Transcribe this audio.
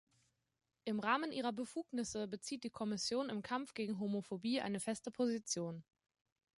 Im Rahmen ihrer Befugnisse bezieht die Kommission im Kampf gegen Homophobie eine feste Position.